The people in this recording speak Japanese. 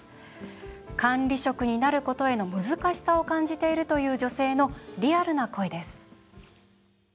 管理職になることへの難しさを感じているという女性のリアルな声です。